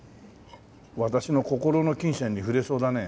私の心の琴線に触れそうだね。